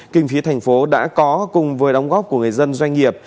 kinh phí thành phố đã có cùng với đóng góp của người dân doanh nghiệp